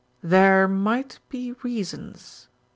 "There might be reasons."